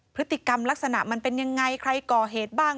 พฤติกรรมลักษณะมันเป็นยังไงใครก่อเหตุบ้าง